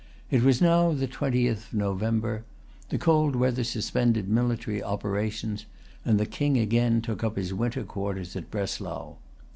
It was now the twentieth of November. The cold weather suspended military operations; and the King again took up his winter quarters at Breslau.